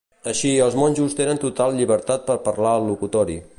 Així, els monjos tenen total llibertat per parlar al locutori.